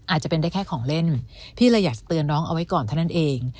อาจจะเป็นได้แค่ของเล่นพี่เลยอยากเตือนน้องเอาไว้ก่อนเท่านั้นเอง